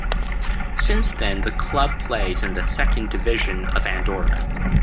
Since then the club plays in the second division of Andorra.